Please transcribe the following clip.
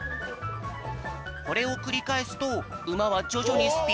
これをくりかえすとうまはじょじょにスピードアップ！